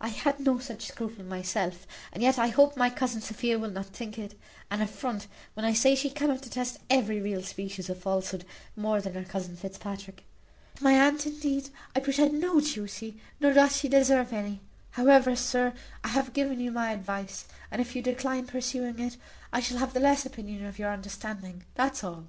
I had no such scruple myself; and yet I hope my cousin Sophia will not think it an affront when I say she cannot detest every real species of falsehood more than her cousin Fitzpatrick. To my aunt, indeed, I pretend no duty, nor doth she deserve any. However, sir, I have given you my advice; and if you decline pursuing it, I shall have the less opinion of your understanding that's all."